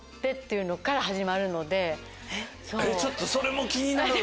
ちょっとそれも気になる。